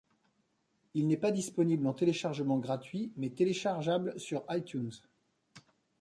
Il n'est pas disponible en téléchargement gratuit mais téléchargeable sur iTunes.